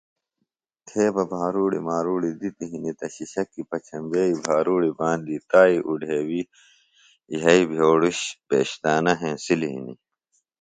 تھے بہ بھاروڑیۡ ماروڑیۡ دِتیۡ ہنیۡ تہ شِشکیۡ پچھمبئی بھاروڑیۡ باندیۡ تائیۡ اُڈھیوِیۡ یھئیۡ بھیوڑش پیشتانہ ہینسلیۡ ہنیۡ